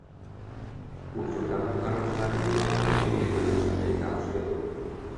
Учурда куткаруучулар мейманкананын бир бөлүгүнө жете алышты.